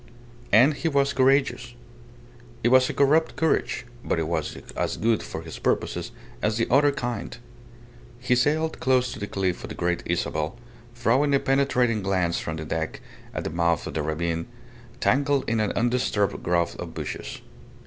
And he was courageous. It was a corrupt courage, but it was as good for his purposes as the other kind. He sailed close to the cliff of the Great Isabel, throwing a penetrating glance from the deck at the mouth of the ravine, tangled in an undisturbed growth of bushes.